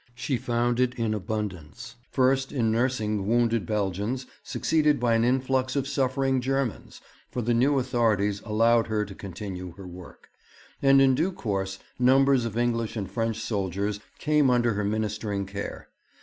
She found it in abundance, first in nursing wounded Belgians, succeeded by an influx of suffering Germans, for the new authorities allowed her to continue her work; and in due course numbers of English and French soldiers came under her ministering care.